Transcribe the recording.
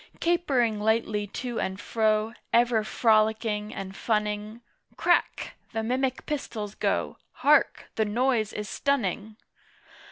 Capering lightly to and fro, Ever frolicking and funning "Crack!" the mimic pistols go! Hark! The noise is stunning!